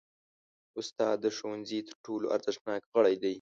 استاد د ښوونځي تر ټولو ارزښتناک غړی دی.